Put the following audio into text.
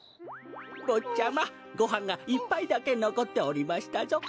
ぼっちゃまごはんが１ぱいだけのこっておりましたぞ。